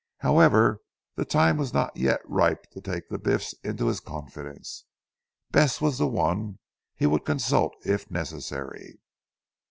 However the time was not yet ripe to take the Biffs into his confidence. Bess was the one he would consult if necessary.